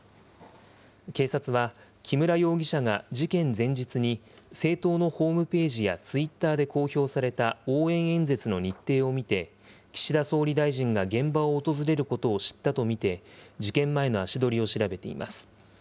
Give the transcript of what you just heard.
警察は木村容疑者が事件前日に政党のホームページやツイッターで公表された応援演説の日程を見て、岸田総理大臣が現場を訪れることを知ったと見て、事件前の足取りを調べています。